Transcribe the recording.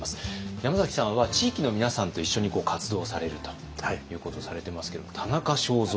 山崎さんは地域の皆さんと一緒に活動されるということをされてますけど田中正造